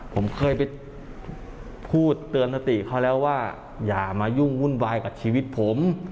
ผมเคยไปพูดเตือนสติเขาแล้วว่าอย่ามายุ่งวุ่นวายกับชีวิตผม